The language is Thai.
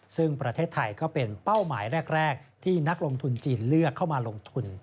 ซึ่งประเทศไทยก็เป็นเป้าหมายแรกที่นักลงทุนจีนเลือกเข้ามาลงทุน